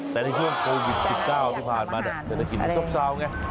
แต่ในช่วงโควิด๑๙ที่ผ่านมาจะได้กินที่ส้มสาวไง